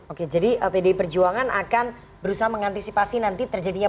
oke jadi pdi perjuangan akan berusaha mengantisipasi nanti terjadinya